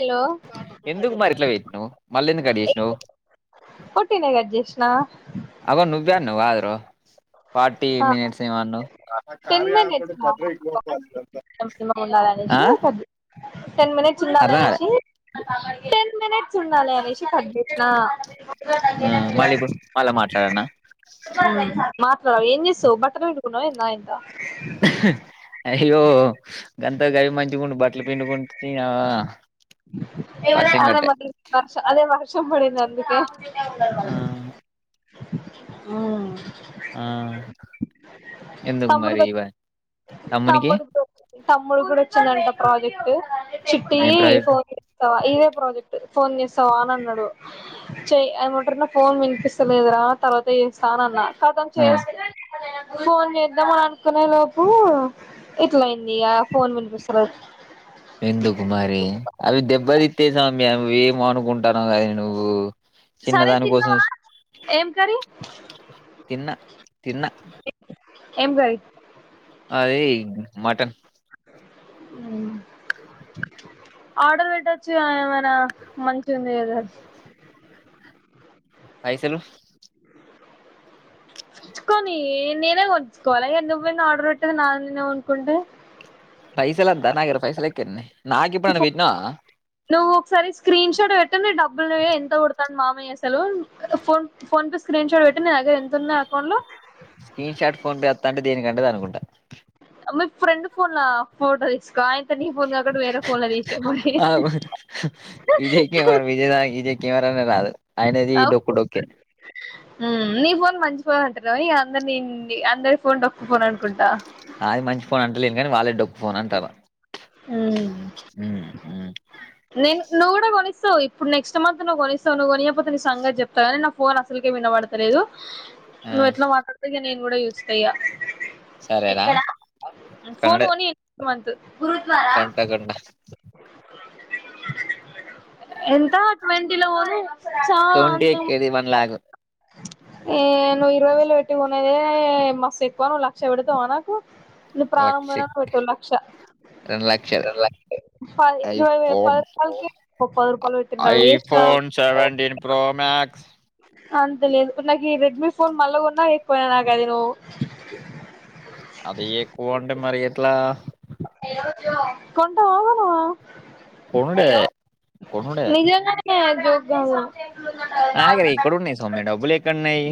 Hello ఎందుకు మరిట్లా వెత్తినావు మళ్ళీ ఎందు కట్ చేసినవ్ పొట్టినే కట్ చేసిన అగో నువ్వే అన్నావ్ గా బ్రో ఫార్టీ మినిట్స్ ఇమో అన్నవ్ టెన్ మినిట్ [unintelligible] ఆ ఉండాలనేసి ఒక టెన్ మినిట్స్ అర్థం కాలే ఉన్నాలనేసి టూ మినిట్స్ తుండాలే అని కట్ చేసిన ఆ మళ్ళీ ఇప్పుడు మళ్ళా మాట్లాడనా ఉమ్ మాట్లాడు ఏం చేస్తావ్ బట్టలు పిండు తిన్నావా నయి అయ్యో గంత గది మంచిగాగుంట బట్టలు పిండుకుంటే ఇవ వర్షం అదే మ గట్టే వష అదే వర్ష [inaudible] వర్షం పడిందండి ఇక [unintelligible] ఆ వాళ్ళు మ్మ్ ఆ ఎందుకు తమ్ముడుకి మరి వ ఇవ తమ్మునికి తమ్ముడు గొచ్ తమ్ముడు కూడా వచ్చిందట ప్రాజెక్టు చుట్టి ఏం ప్రాజెక్ట్ ఫోర్ ఇయర్స్ ఇవే ప్రాజెక్ట్స్ ఫోన్ చేస్తావా అని అన్నాడు చెయ ఏమంటారు నా ఫోన్ వినిపిస్తలేదురా తర్వాత చేస్తా అని అన్నా అతను ఆ చేస్తే అద ఫోన్ చేద్దాం అని అనుకునే లోపు ఇట్లాయింది విందు కుమారి అవి దెబ్బ తీస్తాయి స్వామీ అవి మన ఉంటునకదే కానీ నువ్వు సరే చిన్నదాని కోసం తిన్నావా ఏం కరి అ [inaudible] తిన్న తిన్న ఏం కర్రి మాది మటన్ మ్మ్ ఆర్డర్ పెట్టొచ్చుగా ఏమైనా మంచిగా ఏదో పైసలు ఉంచుకొని నేనే ఉంచుకోవాల నువైన ఆర్డర్ పెట్టేది నా నేనే కొనుకుంటే పైసలొద్దా నాగరా పైసల ఏవ్ త్తున్నె నువ్వు ఒకసారి స్క్రీన్ షాట్ పోటో పెట్ డబ్బులు ఎంత కడుతునాడు మామయ్య అసలు phone PhonePe screenshot పెట్టి నా దగ్గర ఎంత ఉన్నాయి అకౌంట్ లో స్క్రీన్ షాట్ ఫోన్ పే వస్తా దీనికి అంటదు అనుకుంటా ఫ్రెండ్ ఫోన్లా ఫోటో తీస్ స్కో అయితే నీ ఫోన్ కాకుండా వేరే ఫోన్ల తీష పో ఆ ఇవరనే రాదు అయనది డొక్కు డొక్కే ఉమ్, నీ ఫోన్ మంచిపోన్ అంటున్నా ఇక అందరి అందరి ఫోన్ డోక్కుపోను అనుకుంటా అది మంచి ఫోన్ అంటలేను కానీ వాళ్ళ డొక్ పోన్ పోన్ అంటారా మ్మ్ హ్మ్ నేన్ నువ్ కూడా కొనిస్తావ్ ఇప్పుడు నెక్స్ట్ మంత్ నువ్ కొనిస్తావు నువ్వుకొనియక పోతే నీ సంగత్ జెప్త కానీ నా ఫోన్ అసలుకే వినబడతలేదు ఆ నువ్వు ఎట్లా మాట్లాడద నను కూడా యూస్ చేయ సరేనా ఇక్కడ ఫోన్ కన్నడ కొని వద్దు గంట కొన్న ఎంత ట్వంటీ లో పోను తోంటే ఎక్కేది వన్ లాక్ ఏ నువ్వు ఇరవై వేలు పెట్టు కొనేదే మస్తు ఎక్కువ నువ్వు లక్ష పెడతావా నాకు ఇది లక్ష ప్రారంభంమ పో లక్ష రెండు లక్షలు ఇది ప ఐఫోన్ రపా ప రూపాయల నువ్వు వేస్ట్ రా ఐఫోన్ సెవెంటీన్ ప్రో మ్యాక్స్ అంతేలేదు నాకు ఈ రెడ్మీ ఫోన్ మళ్లగోన్నా ఎక్కువయినా నాకు అది ను అది ఎక్కువ అంటే మరి ఎట్లా కొంటవా నువ్ కొనుడే కొనుడే ఏ జోక్ కాదు ఆగరే ఎక్కడున్నాయి సౌమ్య డబ్బులు ఎక్కడన్నాయి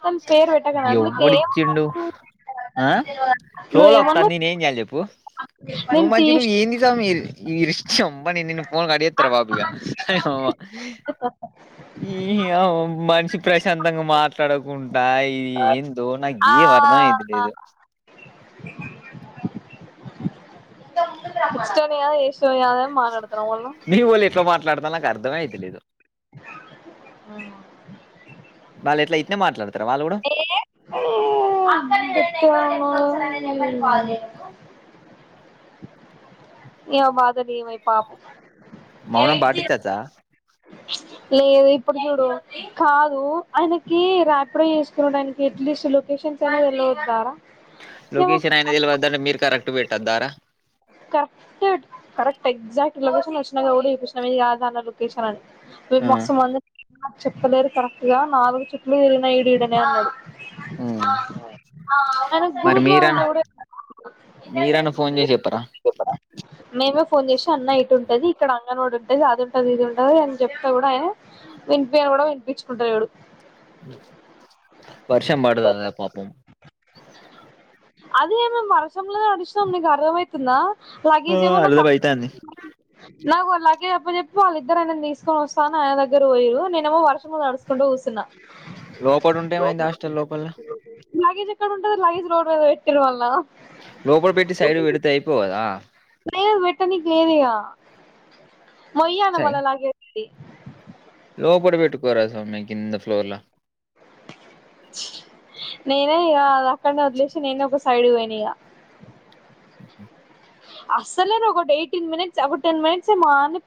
ఆమ్ పేరు పెట్టగానా అందుకే ఏమనవు ఆ నువ్ నువ్ ఫ్లోలో వత్తాంది ఏమన్నావ్ నువ్వు మంచి నువ్వు ఏంది సామి ఈరిషాంబన్, నిన్ ఫోన్ కట్ జెత్తారా బాబు ఇగ యమ్మ ఈ యమ్ మనిషి ప్రశాంతంగా మాట్లాడ కుంటాయి ఏందో నాకు ఆ ఏ అర్ధం అయితలేదు కుచ్చి తోనే కదా ఏశ్ సోద్ కాద్ అన్ మాట్లాడుతున్నావ్ మళ్ళ అర్ధమయ్తిలెడు వాళ్ళు ఎట్లా ఇట్నే మాట్లాడతారు వాళ్ళు కూడా మ [unintelligible] ఏ మాదలిమయి పాపం మౌనం బాటిచ్చుచా లేదు ఇప్పుడు చూడు కాదు, ఆయనకి రాపిడో చేసుకునుడు దానికి ఎట్లీస్ట్ లొకేషన్స్ అన తెలువద్దా రా. లొకేషన్ అయిన తెలువద్దా అన్ మీరు కరక్ ట్టు పెట్టొద్దా రా correct correct exact location వచ్చినా గౌడీ చూస్నం ఏది యా దాంట్లో లొకేషన్ అని మీరు ఆ మోసం మొందే చెప్పలేరు కరెక్ట్ గా నాలుగు చుట్లు తిరిగిన ఈడ్ ఈడనే అన్నది ఉమ్ ఆ తను మరి గురుద్వారా మీరన్న అంటే గుడ మీరన్న ఫోన్ చేసి చెప్పరా మేమే ఫోన్ చేసి అన్న ఇటు ఉంటది ఇక్కడ అంగన్వాడి ఉంటది అది ఉంటది ఇది ఉంటది అని చెప్తే గుడ ఆయన వినిపియని గుడ వినిపించుకుంటలేడు వర్షం బడదదా పాపం అదేమో మరస్ వర్షంలో తడిష్నం నీకు అర్ధమైత్ తిన్నా ఆ లగీజ్ ఏమన్నా అర్ధం క అయితాంది నాకు లగీజ్ అప్పజెప్పి వాళ్ళిద్దరె నన్ని తీసుకొని వస్తాను ఆయ దగ్గరి పోయురు నేనేమో వర్షంలో తడుసుకుంటూ కూసున్న లోపల్ ఉంటే ఏమైంది హాష్ టే లోపల లగేజ్ ఎక్కడుంటది లగేజ్ రోడ్ మీద పెట్టిరు వాళ్ళు లోపల్ బెట్టి సైడ్కి పెడితే అయిపోవ్ కదా లేద్ బెట్టనికి లేద్ ఇగ మొయ్యాల మల్ల లగే ఏ లోపడ పెట్టుకోరా సమీ కింద ఫ్లోర్లో నేనే ఇగ అది అక్కడనే వదిలేసి నేనే ఒక సైడ్కి పోయినా ఇగ అసలే నుగు ఎయిటీన్ మినిట్స్ ఒగు టెన్ మినిట్స్ ఏమో ఆన్ని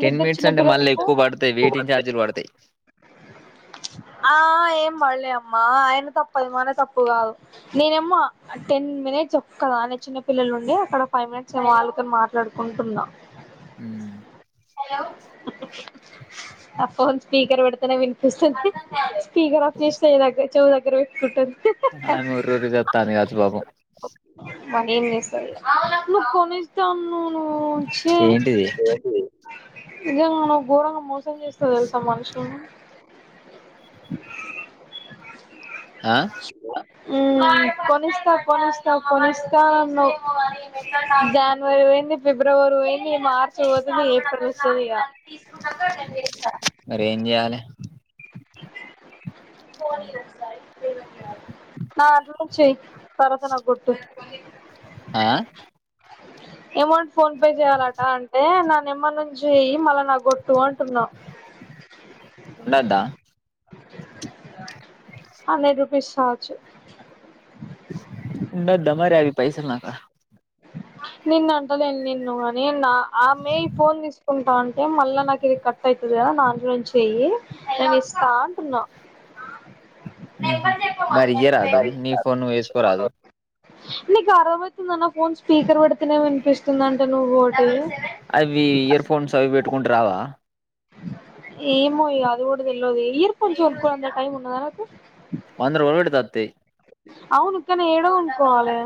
టెన్ మినిట్స్ అంటే మళ్ళీ ఎక్కువ బడ్తై వెయిటింగ్ ఛార్జీలు బడతై ఆ ఏం వాళ్లే అమ్మా ఆయన తప్ అది మన తప్పు గాదు నేనేమ్ము టెన్ మినిట్స్ ఒక్కదానే చిన్న పిల్లలు ఉండి అక్కడ ఫైవ్ మినిట్స్ నేను వాళ్ళతోనే మాట్లాడుకుంటున్నా ఊ ఆ ఫోన్ స్పీకర్ పెడతనే వినిపిస్తుంది స్పీకర్ ఆఫ్ చేస్తే దగ్గర్ చొవ్ దగ్గర పెట్కుంటన్ది ఆయమ్మ ఒర్రి ఒర్రి సత్తాంది కాచు పాపం మనేం జేస్తవ్ లే నువ్ కొనిస్తా అన్నావు నువ్వు చీ ఏంటిది నిజంగా నువ్వు ఘోరంగా మోసం జేస్తవ్ తెల్సా మనుషులను ఆ [unintelligible] ఉమ్ కొనిస్తవ్ కొనిస్తవ్ కొనిస్తా అన్నావ్ జాన్వరి పోయింది ఫిబ్రవరి పోయింది మార్చ్ పోతుంది ఏప్ సరే సరి ఇగ తీస్కున్నంత నేన్ వేస్తా మరి ఏం చేయాలి నీ ఫోన్ ఇయ్యిర ఒకసారి నా దాంట్ల నుంచి చేయ్ పరపున కొట్టు పన్లే ఆ అమౌంట్ ఫోన్ పే చేయాలట అంటే నా నెంబర్ నుంచి చెయ్యి మళ్ళ నా కొట్ తుఅంటున్నా ఉండద్దా హండ్రెడ్ రుపీస్ కావచ్చు ఉండద్ద మరి అవి పైసల్ నాకడ నిన్నంటలేన్ నిన్ను కనీ నా ఆమె ఈ ఫోన్ తీసుకుంటా అంటే మళ్ళా నాకు ఇది కట్ అయితది కదా నాదంట్ల నుంచి చెయ్యి నేను ఇస్తా అంటున్నా హుహ్మ్ మరి ఇయ్యరాదు నీ ఫోన్ నువు యేసుకోరాదు నీకర్ధమైతుందా నాక్ ఫోన్ స్పీకర్ పెడితేనే వినిపిస్తుంది అంటే నువ్వోటి అవి ఇయర్ ఫోన్స్ అవి పెట్టుకుంటే రావా ఏమో ఇగ అది గూడ తెల్వది ఇయర్ ఫోన్స్ కొన్కోడానికి టైం ఉన్ నానకు వంద రూపాలు పెడ్తే అత్తయి అవును కానీ ఏడ కొనుక్కోవాలె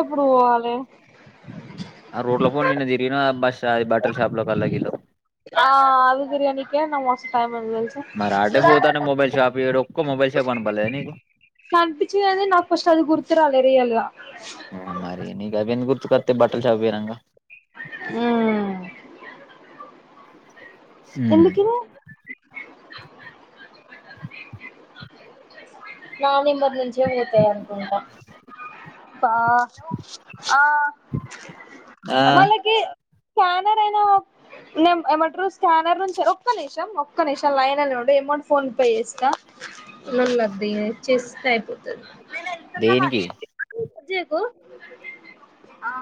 ఎప్పుడు పోవాలె ఆ రోడ్ ల పొంటి నిన్న తిరిగిన బ షాయి బట్టల షాపుల కల్లగిల్లకు ఆ అవి తిరుగనికే నాకు మస్త్ టైం అయింది మరి అటే తెలుసా పోతాంటే మోబైల్ షాపు ఇక్కడ ఒక్క మోబైల్ షాపు కనపడలేదా నీకు కనిపించింది కానీ నాకు ఫస్ట్ అది గుర్తు రాలే రియల్ గా ఆ మరి నీకు అవెందుకు గుర్ కతే బట్టల్ షాపు పోయినంగ ఎందుకిదే నా నెంబర్ నుంచి తిగ పోతాయనుకుంటా పా ఆ ఆ ఎమలికి ఫైవ్ హండ్రెడ్ అయినా నెం ఏమంటరు స్కానర్ నుంచి ఒక్క నిషం ఒక్క నిషం లైన్లనే ఉండు ఎమౌంట్ ఫోన్ పే చేస్తా లొల్లద్దు ఇగ చేస్తే అయిపోతది దేనికి యకు ఆ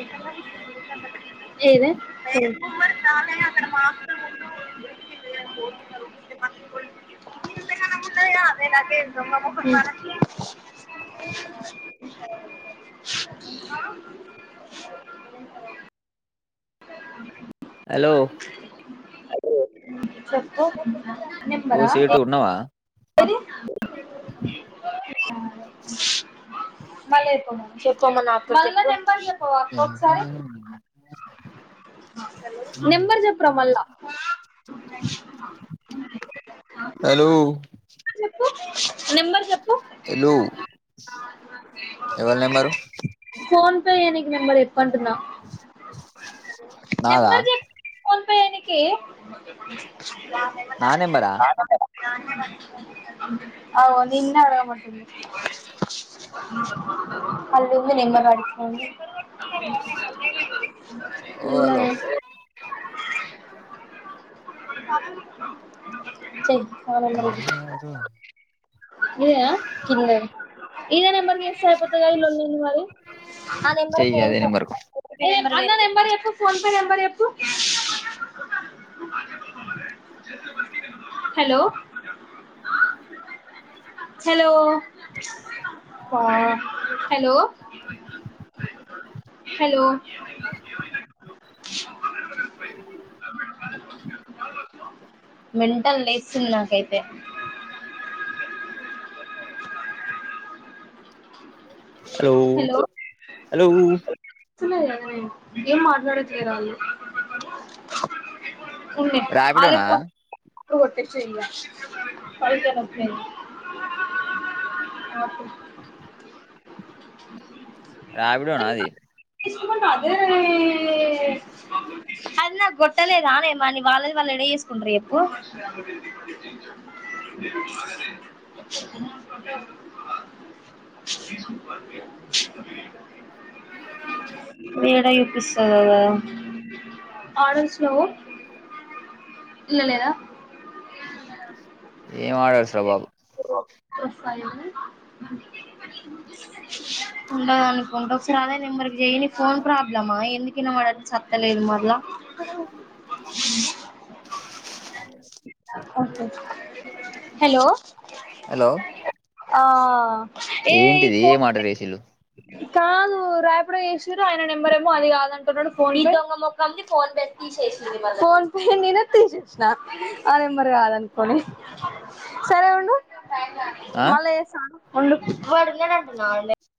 ఎక్కడిదాకా ఏది అక్కడ గింతగానం ఉన్నది కాదే లగేజ్ దొంగమొకం దాన అలో చెప్పు ఓ సేటు ఉన్నవా ఎది మల్ల ఏ పొమ్మను చెప్పు నాతోని చెప్పు మల్ల నెంబర్ చెప్పవా అక్క ఒకసారి నెంబర్ చెప్పురా మల్ల హలో చెప్పు, నెంబర్ చెప్పు హలో ఎవళ నెంబరు చేయినికి నంబరు చెప్పు అంటున్న నాదా దానికి నా నెంబరా అవు నిన్న అడగామటంది అల్లా ఉంది నెంబర్ వాడికి ఫోన్ చెయ్, ఓ హలో నిన్ననే చే నా నెంబర్ కి ఇదేనా కింద ఇదే నెంబర్ కి చేస్తే అయిపోతది ఇ లొల్లి ఏంది మరి ఆ నెంబర్ కి చెయ్యి అదే నెంబర్కు అన్న నెంబర్ చెప్పు ఫోన్ పే నంబర్ చెప్పు హలో హలో అబ్బ హలో హలో, మెంటల్ లేస్తుంది నాకైతే, హలో హలో వినిపిస్తుంది గదానే ఏం మాట్లాడట్లేదు వాళ్ళు ఉండే వాళ్ళే రాపిడోనా ఫోన్ ఇప్పుడు కొట్టేసేయి ఇంకా పైసలు వస్తాయి [inaudible] రాపిడోనా అది అ అదే అదీ నాకు కొట్టలేదునేమాని వాళ్ళది వాళ్ళు ఎడ చేసుకుంట్ర చెప్పు, ఏడ చూపిస్తాదో కదా ఏం ఆర్డర్స్ రా బాబు వస్తాయి ఉండదు అనుకుంటా ఒకసారి ఆ అన్నయ్య నెంబర్ కు చెయి నీ ఫోన్ ప్రాబ్లమా ఎందుకువినబడి సత్తలేదు మల్ల [inaudible] ఉంటాయి హలో హలో ఆ ఏ ఏ ఫోన్ మాట రేసిలు కాదు రాయపుడు చేసిరు ఆయన నెంబర్ ఏమో కాదు రాపిడో వేసిరూ ఆయన నెంబరు కాదంటున్నాడు ఫోన్ంగ మొ ఫోన్ పే తీసేసింది ఫోన్ పే నేనే తీసేసిన ఆ నెంబర్ కాదనుకోని సరే ఉండు ఆ మలే స ఉండు పడునంటున్నావు లే